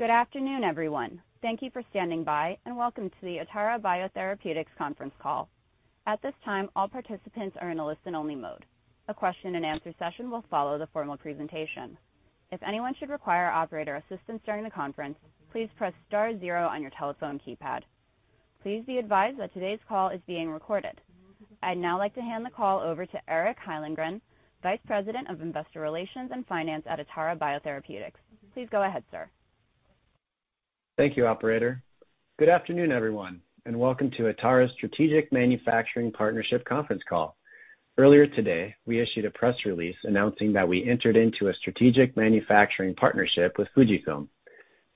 Good afternoon, everyone. Thank you for standing by and welcome to the Atara Biotherapeutics conference call. At this time, all participants are in a listen-only mode. A question and answer session will follow the formal presentation. If anyone should require operator assistance during the conference, please press star zero on your telephone keypad. Please be advised that today's call is being recorded. I'd now like to hand the call over to Eric Hyllengren, Vice President of Investor Relations and Finance at Atara Biotherapeutics. Please go ahead, sir. Thank you, operator. Good afternoon, everyone, and welcome to Atara's strategic manufacturing partnership conference call. Earlier today, we issued a press release announcing that we entered into a strategic manufacturing partnership with Fujifilm.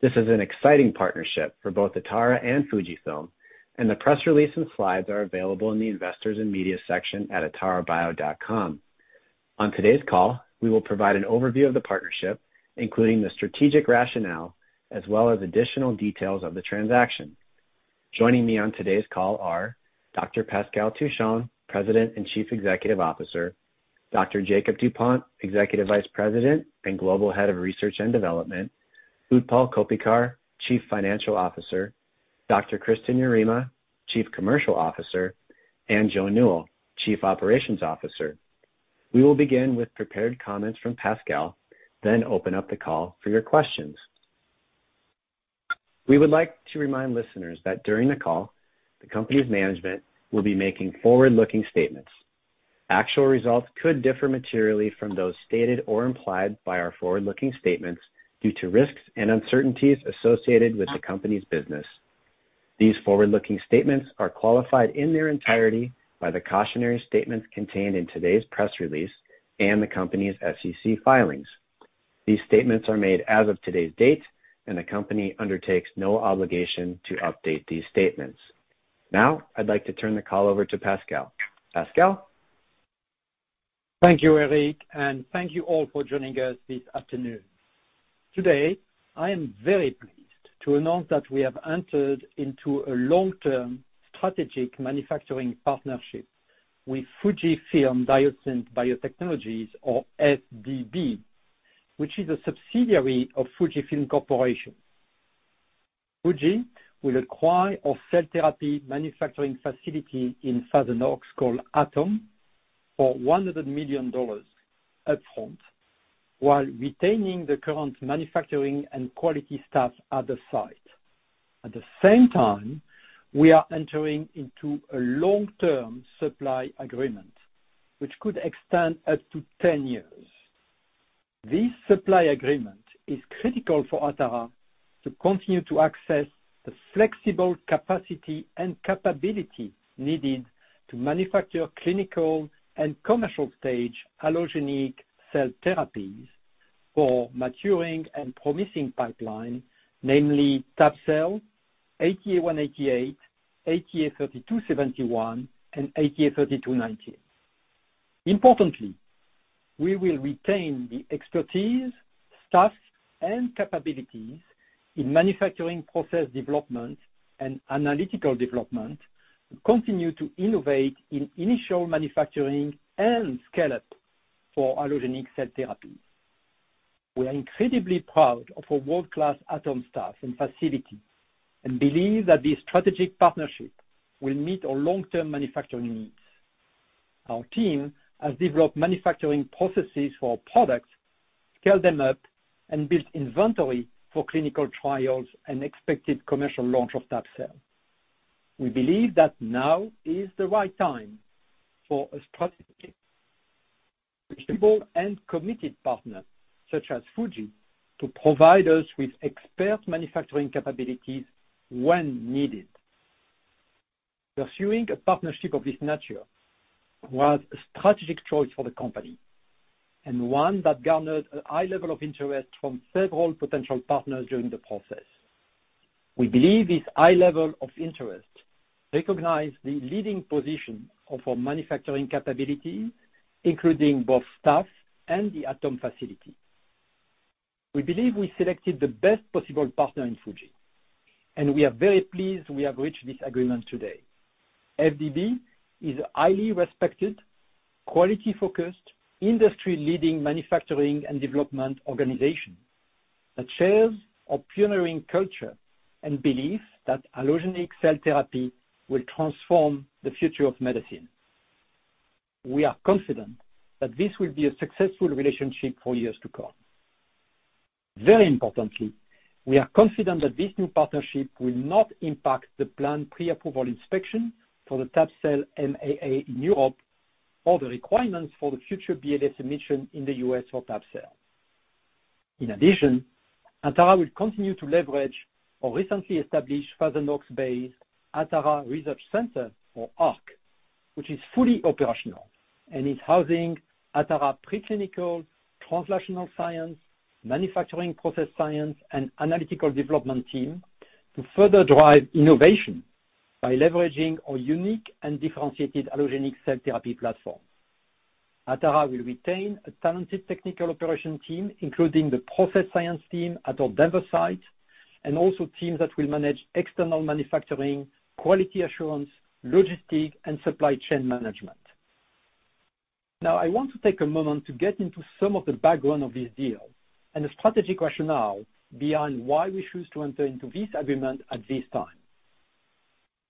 This is an exciting partnership for both Atara and Fujifilm, and the press release and slides are available in the Investors and Media section at atarabio.com. On today's call, we will provide an overview of the partnership, including the strategic rationale as well as additional details of the transaction. Joining me on today's call are Dr. Pascal Touchon, President and Chief Executive Officer, Dr. Jakob Dupont, Executive Vice President and Global Head of Research and Development, Utpal Koppikar, Chief Financial Officer, Dr. Kristin Yarema, Chief Commercial Officer, and Joe Newell, Chief Operations Officer. We will begin with prepared comments from Pascal, then open up the call for your questions. We would like to remind listeners that during the call, the company's management will be making forward-looking statements. Actual results could differ materially from those stated or implied by our forward-looking statements due to risks and uncertainties associated with the company's business. These forward-looking statements are qualified in their entirety by the cautionary statements contained in today's press release and the company's SEC filings. These statements are made as of today's date, and the company undertakes no obligation to update these statements. Now, I'd like to turn the call over to Pascal. Pascal? Thank you, Eric, and thank you all for joining us this afternoon. Today, I am very pleased to announce that we have entered into a long-term strategic manufacturing partnership with Fujifilm Diosynth Biotechnologies or FDB, which is a subsidiary of Fujifilm Corporation. Fuji will acquire our cell therapy manufacturing facility in Thousand Oaks called ATOM for $100 million upfront while retaining the current manufacturing and quality staff at the site. At the same time, we are entering into a long-term supply agreement, which could extend up to 10 years. This supply agreement is critical for Atara to continue to access the flexible capacity and capability needed to manufacture clinical and commercial-stage allogeneic cell therapies for maturing and promising pipeline, namely, tabelecleucel, ATA188, ATA3271, and ATA3219. Importantly, we will retain the expertise, staff, and capabilities in manufacturing process development and analytical development to continue to innovate in initial manufacturing and scale-up for allogeneic cell therapies. We are incredibly proud of our world-class ATOM staff and facility and believe that this strategic partnership will meet our long-term manufacturing needs. Our team has developed manufacturing processes for our products, scaled them up, and built inventory for clinical trials and expected commercial launch of tabelecleucel. We believe that now is the right time for a strategic, reasonable, and committed partner such as Fujifilm to provide us with expert manufacturing capabilities when needed. Pursuing a partnership of this nature was a strategic choice for the company and one that garnered a high level of interest from several potential partners during the process. We believe this high level of interest recognized the leading position of our manufacturing capability, including both staff and the ATOM facility. We believe we selected the best possible partner in Fujifilm, and we are very pleased we have reached this agreement today. FDB is a highly respected, quality-focused, industry-leading manufacturing and development organization that shares our pioneering culture and belief that allogeneic cell therapy will transform the future of medicine. We are confident that this will be a successful relationship for years to come. Very importantly, we are confident that this new partnership will not impact the planned pre-approval inspection for the tabelecleucel MAA in Europe or the requirements for the future BLA submission in the U.S. for tabelecleucel. In addition, Atara will continue to leverage our recently established Thousand Oaks-based Atara Research Center, or ARC, which is fully operational and is housing Atara preclinical, translational science, manufacturing process science, and analytical development team to further drive innovation by leveraging our unique and differentiated allogeneic cell therapy platform. Atara will retain a talented technical operations team, including the process science team at our Denver site and also teams that will manage external manufacturing, quality assurance, logistics, and supply chain management. Now, I want to take a moment to get into some of the background of this deal and the strategic rationale behind why we choose to enter into this agreement at this time.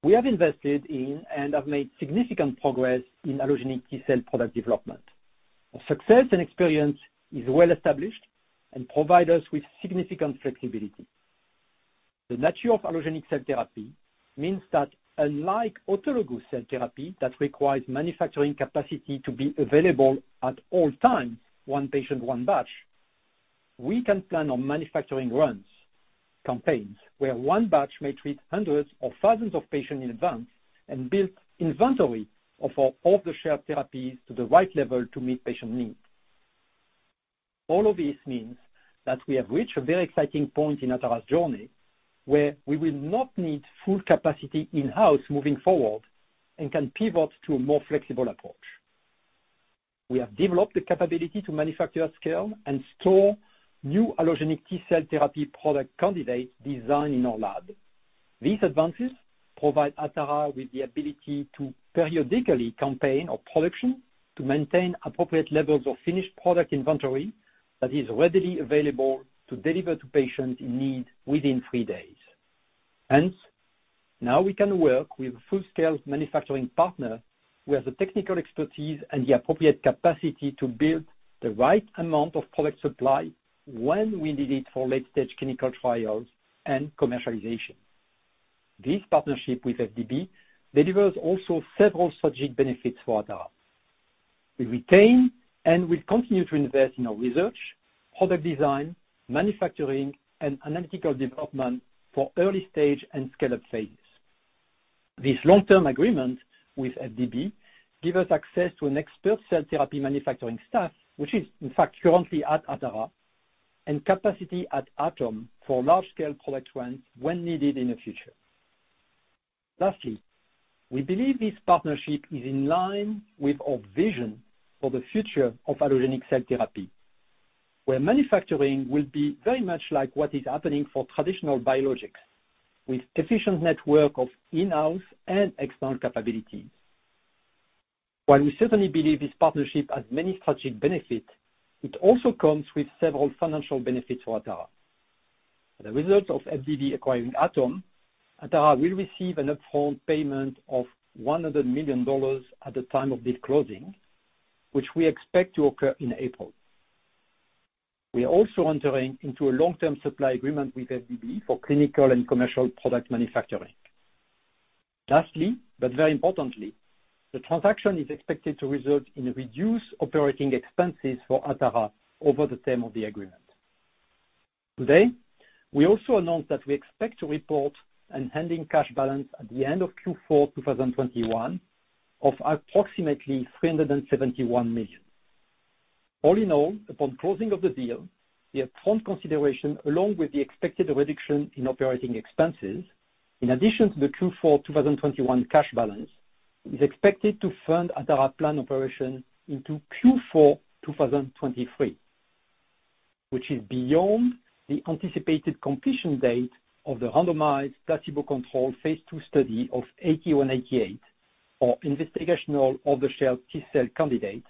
We have invested in and have made significant progress in allogeneic T-cell product development. Our success and experience is well established and provide us with significant flexibility. The nature of allogeneic cell therapy means that unlike autologous cell therapy that requires manufacturing capacity to be available at all times, one patient, one batch, we can plan on manufacturing runs, campaigns, where one batch may treat hundreds or thousands of patients in advance and build inventory of our off-the-shelf therapies to the right level to meet patient needs. All of this means that we have reached a very exciting point in Atara's journey where we will not need full capacity in-house moving forward and can pivot to a more flexible approach. We have developed the capability to manufacture at scale and store new allogeneic T-cell therapy product candidates designed in our lab. These advances provide Atara with the ability to periodically campaign our production to maintain appropriate levels of finished product inventory that is readily available to deliver to patients in need within three days. Hence, now we can work with a full-scale manufacturing partner who has the technical expertise and the appropriate capacity to build the right amount of product supply when we need it for late-stage clinical trials and commercialization. This partnership with FDB delivers also several strategic benefits for Atara. We retain and will continue to invest in our research, product design, manufacturing, and analytical development for early stage and scale-up phases. This long-term agreement with FDB give us access to an expert cell therapy manufacturing staff, which is in fact currently at Atara, and capacity at ATOM for large-scale product runs when needed in the future. Lastly, we believe this partnership is in line with our vision for the future of allogeneic cell therapy, where manufacturing will be very much like what is happening for traditional biologics, with efficient network of in-house and external capabilities. While we certainly believe this partnership has many strategic benefits, it also comes with several financial benefits for Atara. As a result of FDB acquiring ATOM, Atara will receive an upfront payment of $100 million at the time of deal closing, which we expect to occur in April. We are also entering into a long-term supply agreement with FDB for clinical and commercial product manufacturing. Lastly, but very importantly, the transaction is expected to result in reduced operating expenses for Atara over the term of the agreement. Today, we also announced that we expect to report an ending cash balance at the end of Q4 2021 of approximately $371 million. All in all, upon closing of the deal, the upfront consideration along with the expected reduction in operating expenses, in addition to the Q4 2021 cash balance, is expected to fund Atara planned operation into Q4 2023, which is beyond the anticipated completion date of the randomized placebo-controlled phase II study of ATA188, our investigational off-the-shelf T-cell candidate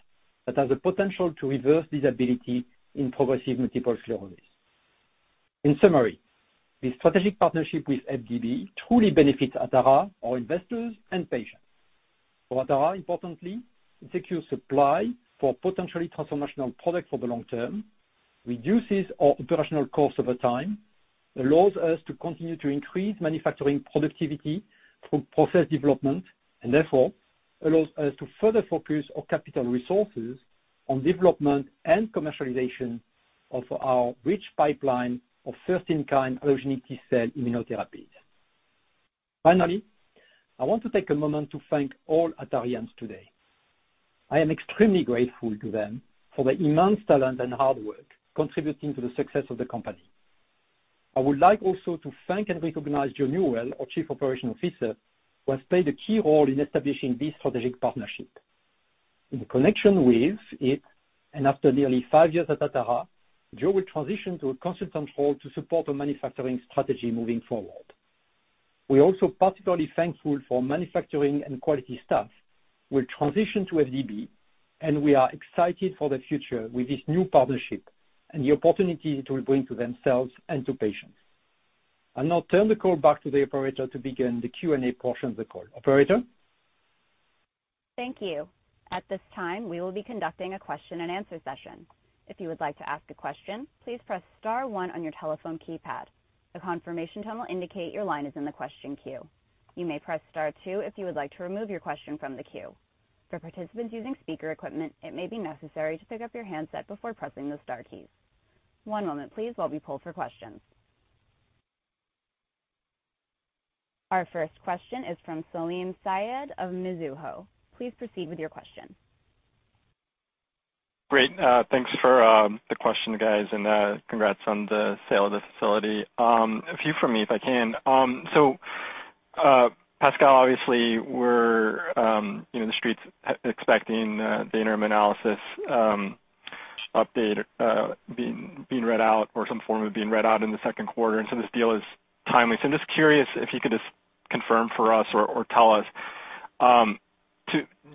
that has the potential to reverse disability in progressive multiple sclerosis. In summary, this strategic partnership with FDB truly benefits Atara, our investors and patients. For Atara, importantly, it secures supply for potentially transformational products for the long term, reduces our operational costs over time, allows us to continue to increase manufacturing productivity through process development, and therefore, allows us to further focus our capital resources on development and commercialization of our rich pipeline of first-in-kind allogeneic T-cell immunotherapies. Finally, I want to take a moment to thank all Atarians today. I am extremely grateful to them for their immense talent and hard work contributing to the success of the company. I would like also to thank and recognize Joe Newell, our Chief Technical Operations Officer, who has played a key role in establishing this strategic partnership. In connection with it, and after nearly five years at Atara, Joe will transition to a consultant role to support our manufacturing strategy moving forward. We are also particularly thankful for manufacturing and quality staff who will transition to FDB, and we are excited for the future with this new partnership and the opportunities it will bring to themselves and to patients. I'll now turn the call back to the operator to begin the Q&A portion of the call. Operator? Thank you. At this time, we will be conducting a question-and-answer session. If you would like to ask a question, please press star one on your telephone keypad. A confirmation tone will indicate your line is in the question queue. You may press star two if you would like to remove your question from the queue. For participants using speaker equipment, it may be necessary to pick up your handset before pressing the star keys. One moment please while we poll for questions. Our first question is from Salim Syed of Mizuho. Please proceed with your question. Great. Thanks for the question, guys, and congrats on the sale of the facility. A few from me, if I can. So, Pascal, obviously, we're, you know, the Street's expecting the interim analysis update being read out or some form of being read out in the second quarter, and so this deal is timely. I'm just curious if you could just confirm for us or tell us,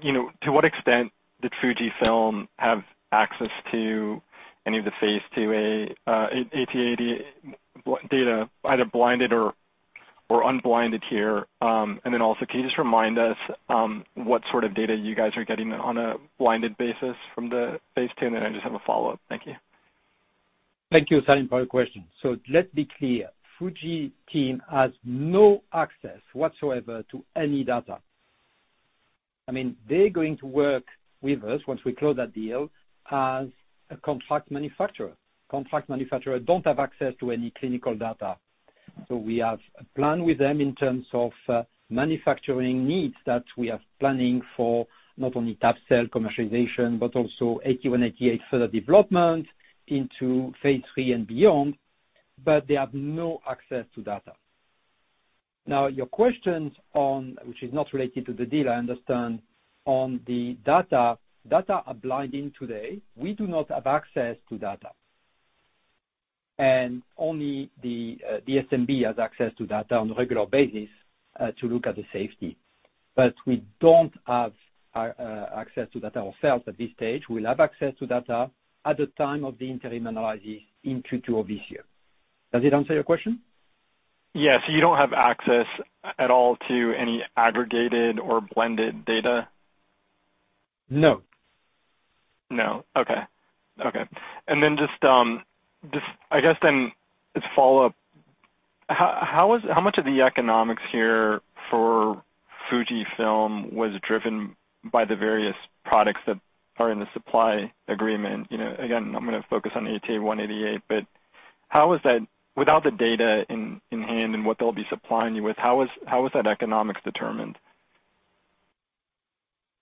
you know, to what extent did Fujifilm have access to any of the phase IIa ATA188 BLA data, either blinded or unblinded here? Can you just remind us what sort of data you guys are getting on a blinded basis from the phase II? I just have a follow-up. Thank you. Thank you, Salim, for the question. Let's be clear. Fuji team has no access whatsoever to any data. I mean, they're going to work with us once we close that deal as a contract manufacturer. Contract manufacturer don't have access to any clinical data. We have a plan with them in terms of manufacturing needs that we are planning for not only tab-cel commercialization but also ATA188 further development into phase III and beyond, but they have no access to data. Now, your questions on, which is not related to the deal I understand, on the data are blinded today. We do not have access to data. Only the DSMB has access to data on a regular basis to look at the safety. But we don't have access to data ourselves at this stage. We'll have access to data at the time of the interim analysis in Q2 of this year. Does it answer your question? Yes. You don't have access at all to any aggregated or blended data? No. Just, I guess, as follow-up, how much of the economics here for Fujifilm was driven by the various products that are in the supply agreement? You know, again, I'm gonna focus on ATA188, but without the data in hand and what they'll be supplying you with, how is that economics determined?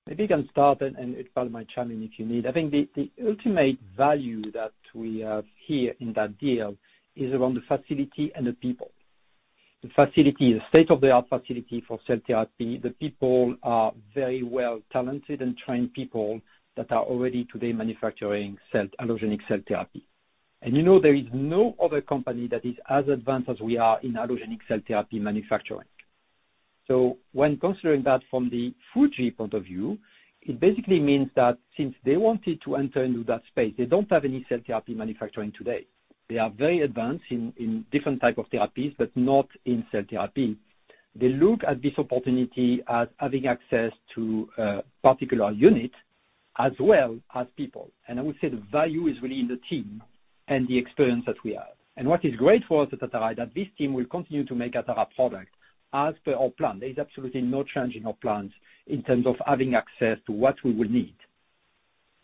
Maybe you can start and it follow my chime if you need. I think the ultimate value that we have here in that deal is around the facility and the people. The facility is state-of-the-art facility for cell therapy. The people are very well talented and trained people that are already today manufacturing allogeneic cell therapy. You know, there is no other company that is as advanced as we are in allogeneic cell therapy manufacturing. When considering that from the Fujifilm point of view, it basically means that since they wanted to enter into that space, they don't have any cell therapy manufacturing today. They are very advanced in different type of therapies, but not in cell therapy. They look at this opportunity as having access to a particular unit as well as people. I would say the value is really in the team and the experience that we have. What is great for us at Atara is that this team will continue to make Atara product as per our plan. There is absolutely no change in our plans in terms of having access to what we will need.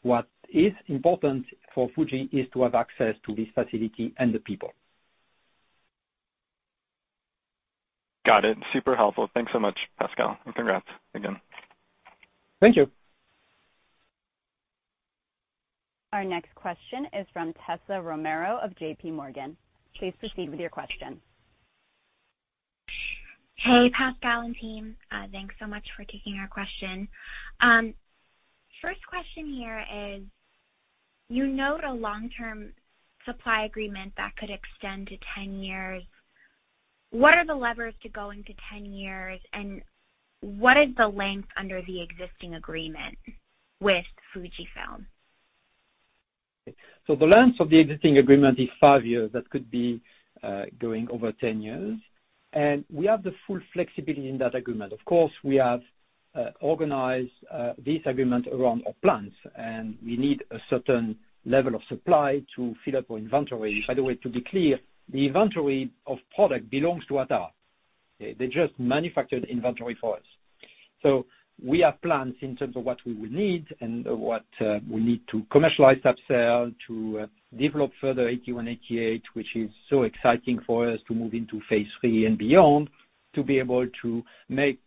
What is important for Fujifilm is to have access to this facility and the people. Got it. Super helpful. Thanks so much, Pascal. Congrats again. Thank you. Our next question is from Tessa Romero of J.P. Morgan. Please proceed with your question. Hey, Pascal and team. Thanks so much for taking our question. First question here is, you note a long-term supply agreement that could extend to 10 years. What are the levers to go into 10 years, and what is the length under the existing agreement with Fujifilm? The length of the existing agreement is five years. That could be going over 10 years. We have the full flexibility in that agreement. Of course, we have organized this agreement around our plans, and we need a certain level of supply to fill up our inventory. By the way, to be clear, the inventory of product belongs to Atara. They just manufactured inventory for us. We have plans in terms of what we will need and what we need to commercialize that sale, to develop further ATA188, which is so exciting for us to move into phase III and beyond, to be able to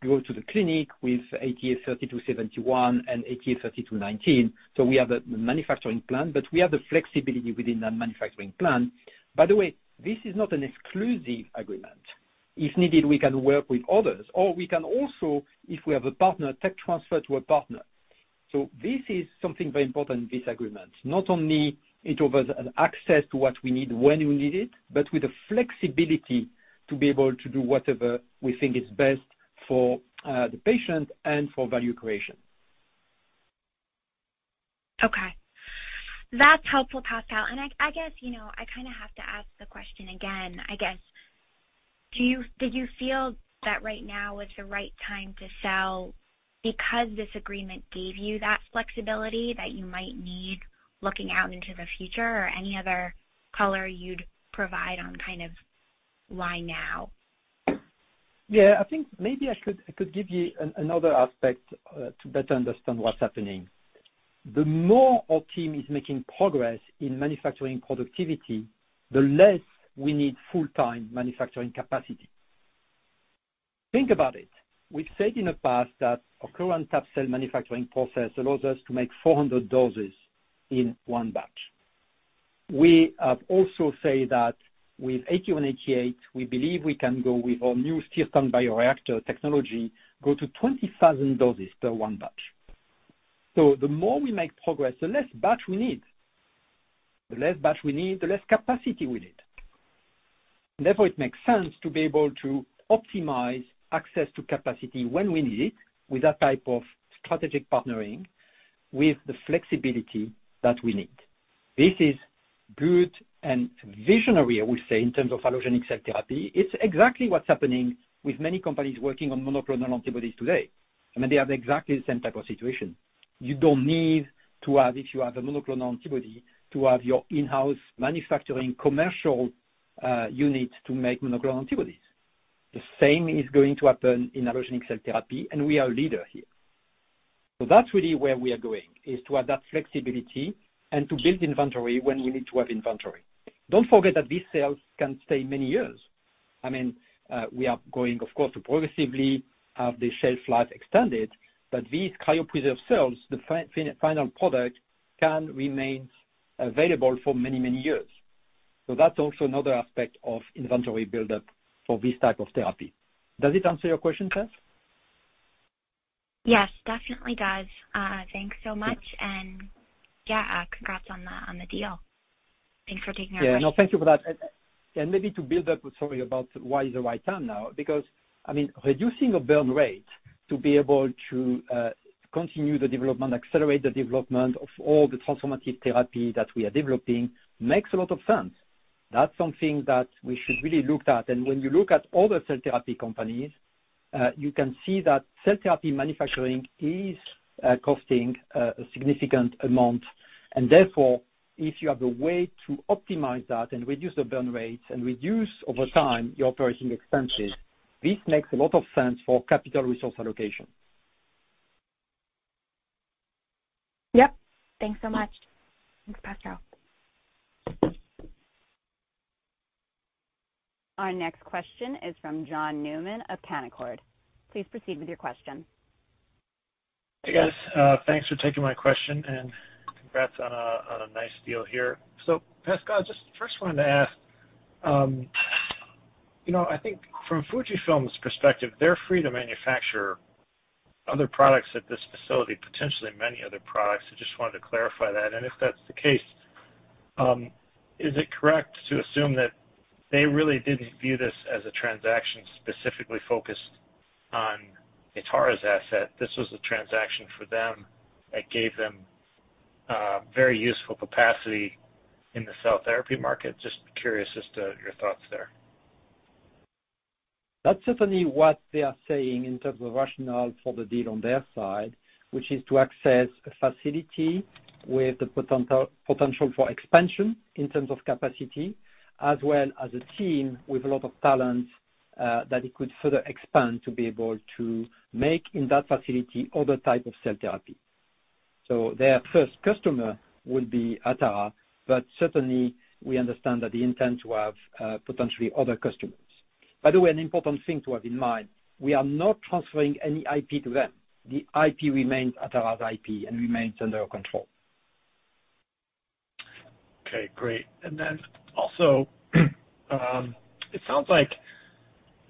go to the clinic with ATA3271 and ATA3219. We have a manufacturing plan, but we have the flexibility within that manufacturing plan. By the way, this is not an exclusive agreement. If needed, we can work with others, or we can also, if we have a partner, tech transfer to a partner. This is something very important, this agreement. Not only it offers an access to what we need when we need it, but with the flexibility to be able to do whatever we think is best for the patient and for value creation. Okay. That's helpful, Pascal. I guess, you know, I kinda have to ask the question again, I guess. Do you feel that right now was the right time to sell because this agreement gave you that flexibility that you might need looking out into the future? Or any other color you'd provide on kind of why now? Yeah. I think maybe I could give you another aspect to better understand what's happening. The more our team is making progress in manufacturing productivity, the less we need full-time manufacturing capacity. Think about it. We've said in the past that our current tab-cel manufacturing process allows us to make 400 doses in one batch. We have also said that with ATA2271 and ATA3219, we believe we can go with our new steel tank bioreactor technology, go to 20,000 doses per one batch. The more we make progress, the less batch we need. The less batch we need, the less capacity we need. Therefore, it makes sense to be able to optimize access to capacity when we need it with that type of strategic partnering with the flexibility that we need. This is good and visionary, I would say, in terms of allogeneic cell therapy. It's exactly what's happening with many companies working on monoclonal antibodies today. I mean, they have exactly the same type of situation. You don't need to have, if you have a monoclonal antibody, to have your in-house manufacturing commercial units to make monoclonal antibodies. The same is going to happen in allogeneic cell therapy, and we are a leader here. So that's really where we are going, is to have that flexibility and to build inventory when we need to have inventory. Don't forget that these cells can stay many years. I mean, we are going, of course, to progressively have the shelf life extended, but these cryopreserved cells, the final product, can remain available for many, many years. So that's also another aspect of inventory buildup for this type of therapy. Does it answer your question, Tess? Yes, definitely does. Thanks so much. Yeah, congrats on the deal. Thanks for taking our question. Yeah, no, thank you for that. Maybe to build up, sorry, about why is the right time now? Because, I mean, reducing a burn rate to be able to continue the development, accelerate the development of all the transformative therapy that we are developing makes a lot of sense. That's something that we should really look at. When you look at all the cell therapy companies, you can see that cell therapy manufacturing is costing a significant amount. Therefore, if you have a way to optimize that and reduce the burn rate and reduce over time your operating expenses, this makes a lot of sense for capital resource allocation. Yep. Thanks so much. Thanks, Pascal. Our next question is from John Newman of Canaccord. Please proceed with your question. Hey, guys. Thanks for taking my question and congrats on a nice deal here. Pascal, just first wanted to ask, you know, I think from Fujifilm's perspective, they're free to manufacture other products at this facility, potentially many other products. I just wanted to clarify that. If that's the case, is it correct to assume that they really didn't view this as a transaction specifically focused on Atara's asset? This was a transaction for them that gave them very useful capacity in the cell therapy market. Just curious as to your thoughts there. That's certainly what they are saying in terms of rationale for the deal on their side, which is to access a facility with the potential for expansion in terms of capacity, as well as a team with a lot of talent, that it could further expand to be able to make in that facility other type of cell therapy. Their first customer will be Atara, but certainly we understand that they intend to have, potentially other customers. By the way, an important thing to have in mind, we are not transferring any IP to them. The IP remains Atara's IP and remains under our control. Okay, great. It sounds like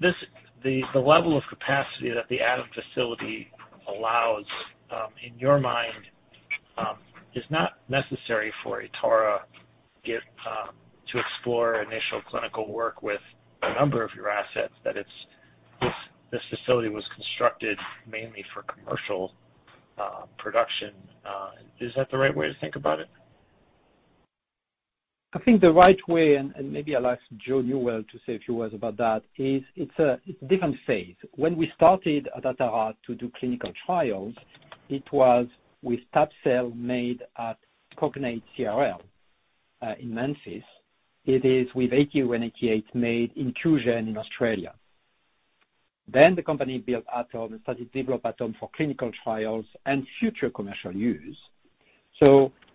the level of capacity that the ATOM facility allows, in your mind, is not necessary for Atara to explore initial clinical work with a number of your assets that this facility was constructed mainly for commercial production. Is that the right way to think about it? I think the right way, and maybe I'll ask Joe Newell to say a few words about that, is it's a different phase. When we started at Atara to do clinical trials, it was with tab-cel made at Cognate BioServices in Memphis. It is with AQ and AK8 made in Fujifilm Diosynth Biotechnologies in Australia. The company built ATOM and started develop ATOM for clinical trials and future commercial use.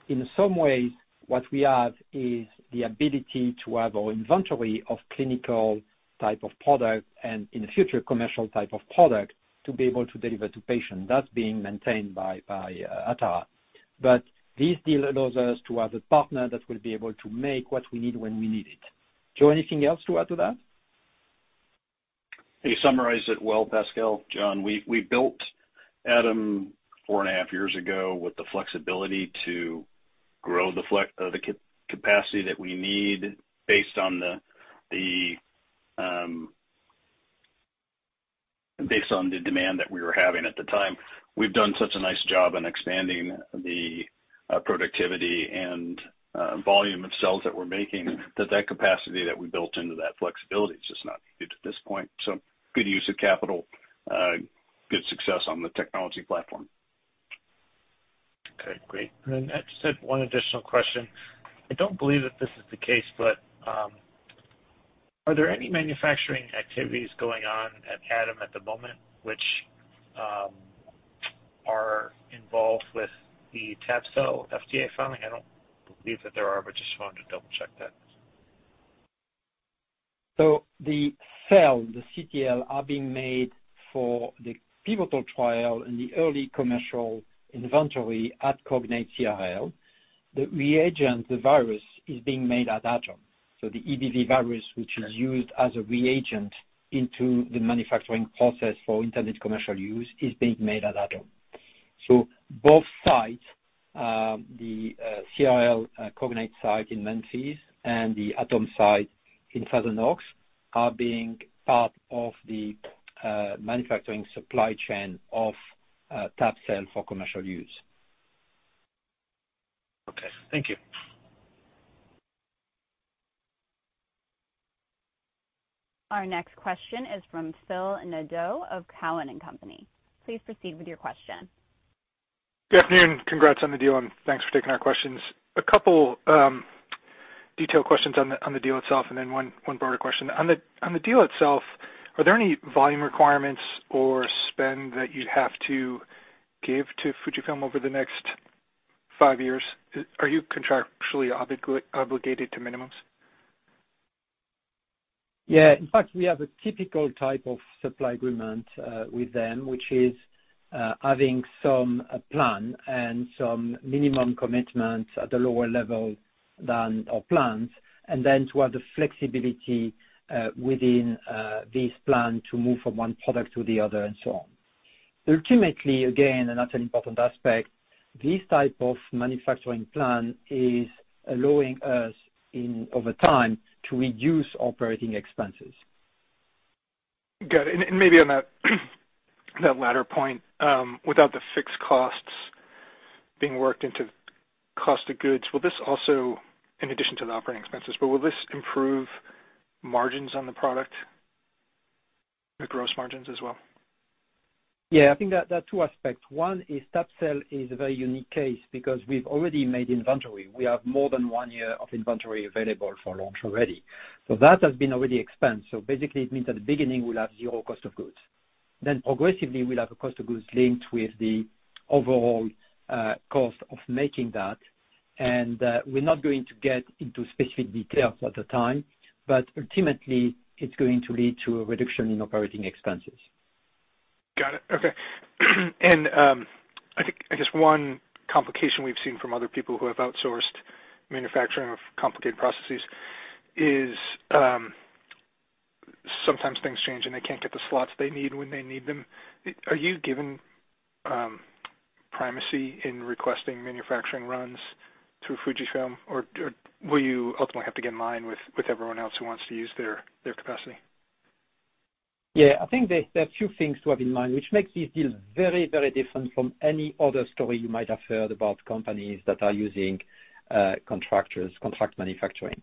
In some ways, what we have is the ability to have our inventory of clinical type of product and in the future, commercial type of product to be able to deliver to patients. That's being maintained by Atara. This deal allows us to have a partner that will be able to make what we need when we need it. Joe, anything else to add to that? You summarized it well, Pascal. John, we built ATOM four and a half years ago with the flexibility to grow the capacity that we need based on the demand that we were having at the time. We've done such a nice job in expanding the productivity and volume of cells that we're making, that capacity that we built into that flexibility is just not needed at this point. Good use of capital, good success on the technology platform. Okay, great. That said, one additional question. I don't believe that this is the case, but, are there any manufacturing activities going on at ATOM at the moment which, are involved with the tab-cel FDA filing? I don't believe that there are, but just wanted to double-check that. The cell, the CTL, are being made for the pivotal trial in the early commercial inventory at Cognate BioServices. The reagent, the virus, is being made at ATOM. The EBV virus, which is used as a reagent into the manufacturing process for intended commercial use, is being made at ATOM. Both sites, the CTL Cognate site in Memphis and the ATOM site in Thousand Oaks are being part of the manufacturing supply chain of tab-cel for commercial use. Okay. Thank you. Our next question is from Phil Nadeau of Cowen and Company. Please proceed with your question. Good afternoon. Congrats on the deal and thanks for taking our questions. A couple detail questions on the deal itself, and then one broader question. On the deal itself, are there any volume requirements or spend that you'd have to give to Fujifilm over the next five years? Are you contractually obligated to minimums? Yeah. In fact, we have a typical type of supply agreement with them, which is having some plan and some minimum commitment at a lower level than our plans, and then to have the flexibility within this plan to move from one product to the other and so on. Ultimately, again, another important aspect, this type of manufacturing plan is allowing us, over time, to reduce operating expenses. Got it. Maybe on that latter point, without the fixed costs being worked into cost of goods, will this also, in addition to the operating expenses, but will this improve margins on the product? The gross margins as well? Yeah. I think there are two aspects. One is tab-cel is a very unique case because we've already made inventory. We have more than one year of inventory available for launch already. So that has been already expensed. So basically it means at the beginning we'll have zero cost of goods. Then progressively we'll have a cost of goods linked with the overall cost of making that. And we're not going to get into specific details at the time, but ultimately it's going to lead to a reduction in operating expenses. Got it. Okay. I think, I guess one complication we've seen from other people who have outsourced manufacturing of complicated processes is, sometimes things change, and they can't get the slots they need when they need them. Are you given primacy in requesting manufacturing runs through Fujifilm? Or will you ultimately have to get in line with everyone else who wants to use their capacity? Yeah. I think there are two things to have in mind which makes this deal very, very different from any other story you might have heard about companies that are using contractors, contract manufacturing.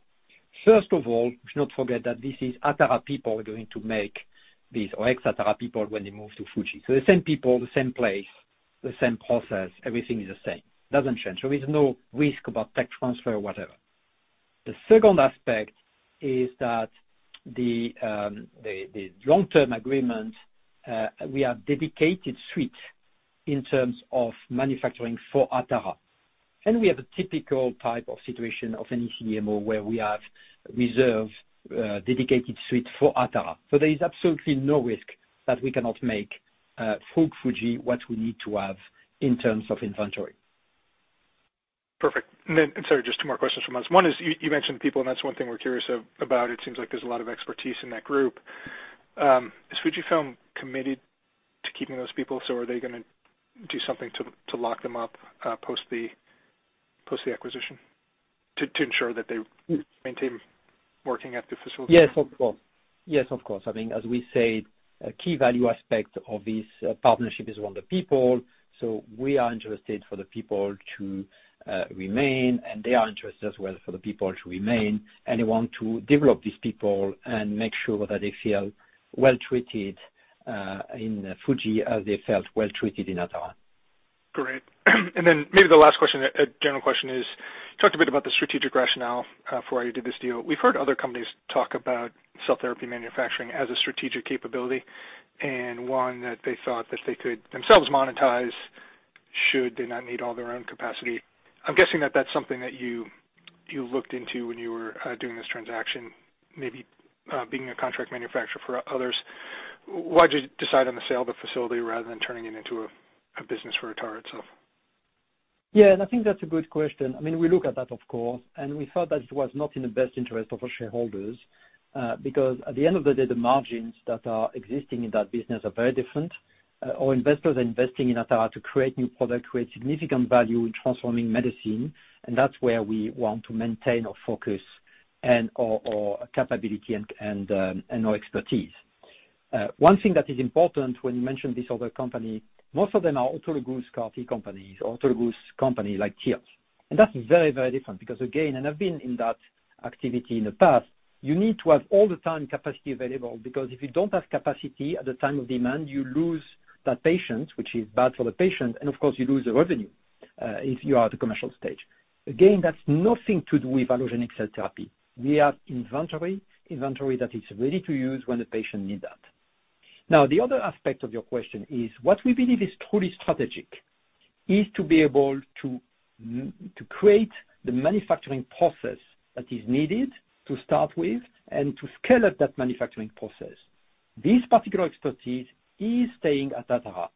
First of all, do not forget that this is Atara people are going to make these, or ex-Atara people when they move to Fuji. The same people, the same place, the same process, everything is the same. Doesn't change. There's no risk about tech transfer or whatever. The second aspect is that the long-term agreement we have dedicated suite in terms of manufacturing for Atara. We have a typical type of situation of any CDMO where we have reserved dedicated suite for Atara. There is absolutely no risk that we cannot make for Fuji what we need to have in terms of inventory. Perfect. I'm sorry, just two more questions from us. One is you mentioned people, and that's one thing we're curious about. It seems like there's a lot of expertise in that group. Is Fujifilm committed to keeping those people? Are they gonna do something to lock them up post the acquisition to ensure that they maintain working at the facility? Yes, of course. I mean, as we said, a key value aspect of this partnership is one of the people. We are interested for the people to remain, and they are interested as well for the people to remain, and they want to develop these people and make sure that they feel well treated in Fujifilm as they felt well treated in Atara. Great. Maybe the last question, a general question is, you talked a bit about the strategic rationale for why you did this deal. We've heard other companies talk about cell therapy manufacturing as a strategic capability and one that they thought that they could themselves monetize should they not need all their own capacity. I'm guessing that that's something that you looked into when you were doing this transaction, maybe being a contract manufacturer for others. Why'd you decide on the sale of the facility rather than turning it into a business for Atara itself? Yeah, I think that's a good question. I mean, we look at that, of course, and we thought that it was not in the best interest of our shareholders. Because at the end of the day, the margins that are existing in that business are very different. Our investors are investing in Atara to create new product, create significant value in transforming medicine, and that's where we want to maintain our focus and our capability and our expertise. One thing that is important when you mention this other company, most of them are autologous CAR T companies or autologous company like Gilead. That's very, very different because again, and I've been in that activity in the past, you need to have all the time capacity available, because if you don't have capacity at the time of demand, you lose that patient, which is bad for the patient, and of course you lose the revenue, if you are at the commercial stage. Again, that's nothing to do with allogeneic cell therapy. We have inventory that is ready to use when the patient needs that. Now, the other aspect of your question is what we believe is truly strategic is to be able to to create the manufacturing process that is needed to start with and to scale up that manufacturing process. This particular expertise is staying at Atara.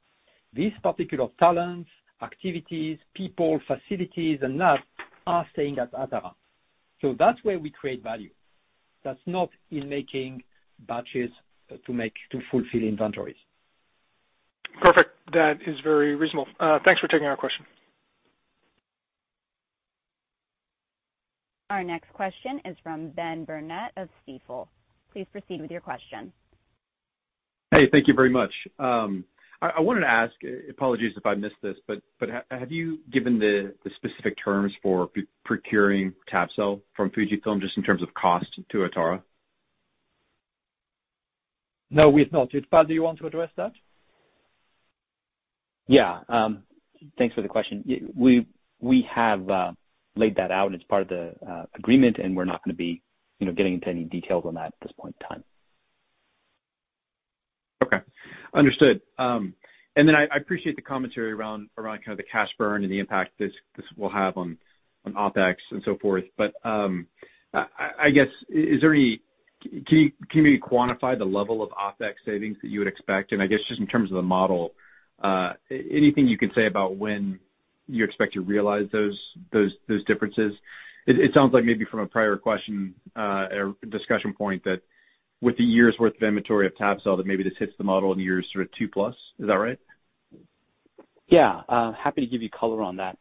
These particular talents, activities, people, facilities and that are staying at Atara. That's where we create value. That's not in making batches to fulfill inventories. Perfect. That is very reasonable. Thanks for taking our question. Our next question is from Ben Burnett of Stifel. Please proceed with your question. Hey, thank you very much. I wanted to ask, apologies if I missed this, but have you given the specific terms for procuring tab-cel from Fujifilm just in terms of cost to Atara? No, we've not. Utpal, do you want to address that? Yeah. Thanks for the question. We have laid that out and it's part of the agreement, and we're not gonna be, you know, getting into any details on that at this point in time. Okay. Understood. I appreciate the commentary around kind of the cash burn and the impact this will have on OpEx and so forth. I guess, can you quantify the level of OpEx savings that you would expect? I guess just in terms of the model, anything you can say about when you expect to realize those differences? It sounds like maybe from a prior question or discussion point that with the year's worth of inventory of tab-cel, that maybe this hits the model in years sort of two plus. Is that right? Yeah. Happy to give you color on that.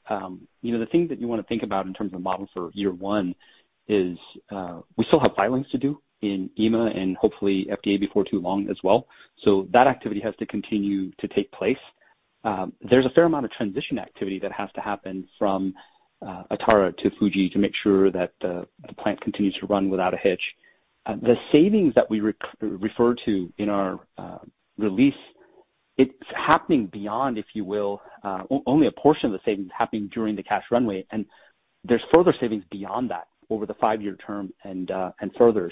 You know, the thing that you wanna think about in terms of modeling for year one is, we still have filings to do in EMA and hopefully FDA before too long as well. So that activity has to continue to take place. There's a fair amount of transition activity that has to happen from Atara to Fuji to make sure that the plant continues to run without a hitch. The savings that we refer to in our release, it's happening beyond, if you will, only a portion of the savings happening during the cash runway, and there's further savings beyond that over the five-year term and further.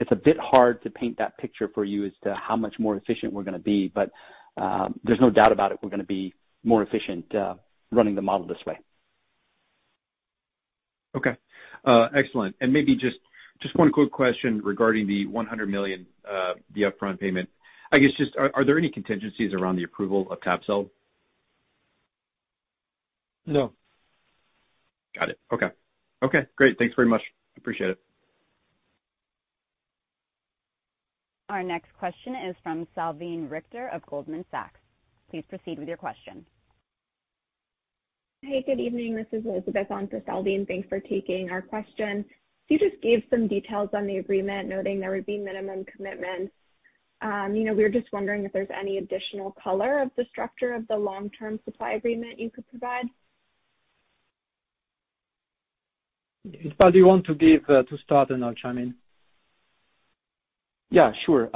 It's a bit hard to paint that picture for you as to how much more efficient we're gonna be, but there's no doubt about it, we're gonna be more efficient running the model this way. Okay. Excellent. Maybe just one quick question regarding the $100 million upfront payment. I guess just are there any contingencies around the approval of tab-cel? No. Got it. Okay, great. Thanks very much. Appreciate it. Our next question is from Salveen Richter of Goldman Sachs. Please proceed with your question. Hey, good evening. This is Elizabeth on for Salveen. Thanks for taking our question. You just gave some details on the agreement, noting there would be minimum commitments. You know, we're just wondering if there's any additional color on the structure of the long-term supply agreement you could provide. Utpal, do you want to give, to start, and I'll chime in? Yeah, sure.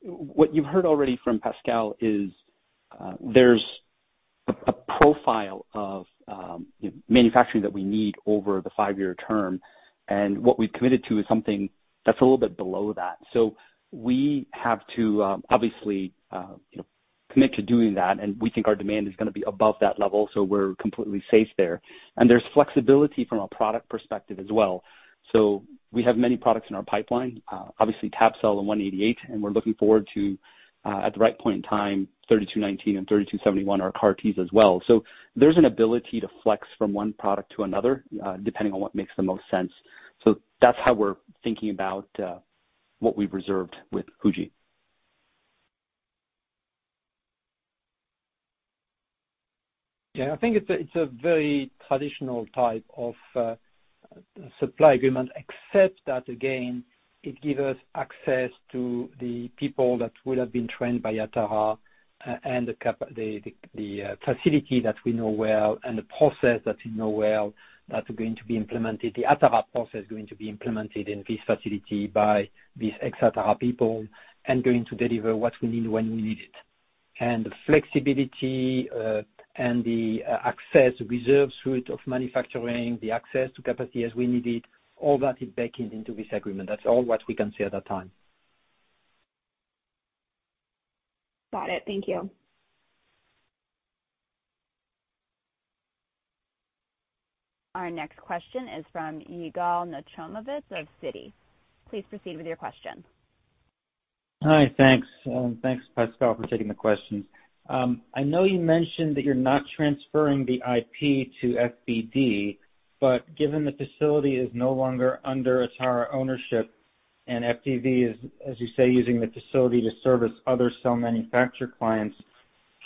What you've heard already from Pascal is, there's a profile of, you know, manufacturing that we need over the 5-year term, and what we've committed to is something that's a little bit below that. We have to obviously, you know, commit to doing that, and we think our demand is gonna be above that level, so we're completely safe there. There's flexibility from a product perspective as well. We have many products in our pipeline, obviously tab-cel and ATA188, and we're looking forward to, at the right point in time, ATA3219 and ATA3271, our CAR Ts as well. There's an ability to flex from one product to another, depending on what makes the most sense. That's how we're thinking about what we've reserved with Fujifilm. Yeah. I think it's a very traditional type of supply agreement, except that, again, it give us access to the people that will have been trained by Atara and the facility that we know well and the process that we know well that are going to be implemented, the Atara process going to be implemented in this facility by these ex-Atara people and going to deliver what we need when we need it. The flexibility and the access reserve suite of manufacturing, the access to capacity as we need it, all that is baked into this agreement. That's all what we can say at that time. Got it. Thank you. Our next question is from Yigal Nochomovitz of Citi. Please proceed with your question. Hi. Thanks. Thanks Pascal, for taking the question. I know you mentioned that you're not transferring the IP to FDB, but given the facility is no longer under Atara ownership and FDB is, as you say, using the facility to service other cell manufacturing clients,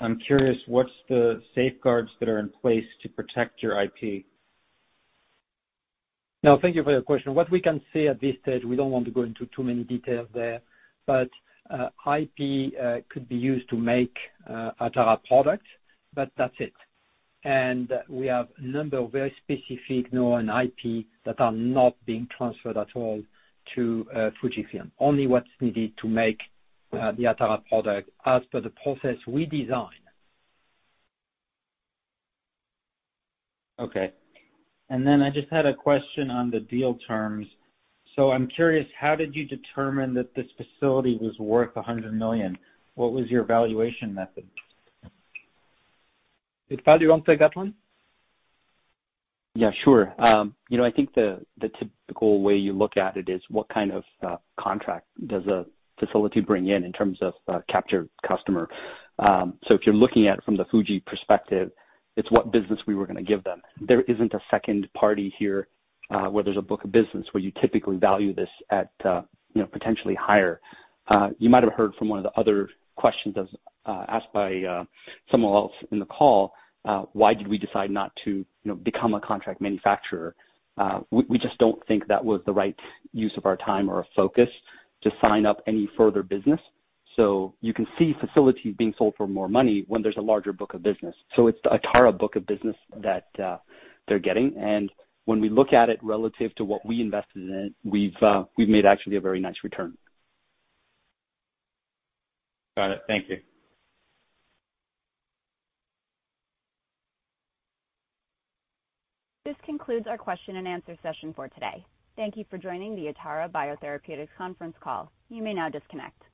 I'm curious, what's the safeguards that are in place to protect your IP? No, thank you for your question. What we can say at this stage, we don't want to go into too many details there, but IP could be used to make Atara product, but that's it. We have a number of very specific known IP that are not being transferred at all to Fujifilm. Only what's needed to make the Atara product as per the process we design. Okay. I just had a question on the deal terms. I'm curious, how did you determine that this facility was worth $100 million? What was your valuation method? Utpal, do you want to take that one? Yeah, sure. You know, I think the typical way you look at it is what kind of contract does a facility bring in terms of captive customer. If you're looking at it from the Fujifilm perspective, it's what business we were gonna give them. There isn't a second party here, where there's a book of business where you typically value this at, you know, potentially higher. You might have heard from one of the other questions as asked by someone else in the call, why did we decide not to, you know, become a contract manufacturer? We just don't think that was the right use of our time or our focus to sign up any further business. You can see facilities being sold for more money when there's a larger book of business. It's the Atara book of business that they're getting, and when we look at it relative to what we invested in it, we've made actually a very nice return. Got it. Thank you. This concludes our question and answer session for today. Thank you for joining the Atara Biotherapeutics conference call. You may now disconnect.